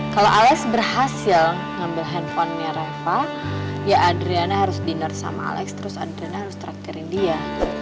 kalau alex berhasil ngambil handphonenya rafa ya adriana harus dinner sama alex terus adriana harus traktirin dia